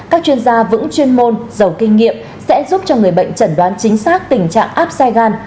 các chuyên gia vững chuyên môn giàu kinh nghiệm sẽ giúp cho người bệnh chẩn đoán chính xác tình trạng áp xe gan